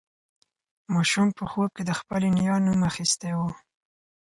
ماشوم په خوب کې د خپلې نیا نوم اخیستی و.